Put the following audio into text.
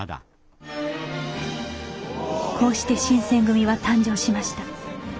こうして新選組は誕生しました。